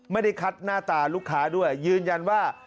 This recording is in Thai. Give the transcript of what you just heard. ไม่ได้คัดหน้าตาลูกค้าด้วยยืนยันว่า